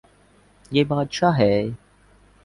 یے بدشاہ ہے